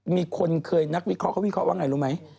มีคนเคยนักวิเคราะเขาวิเคราะห์ว่าไงรู้ไหม